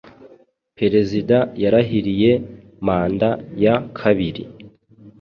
Perezida yarahiriye manda ya kabiri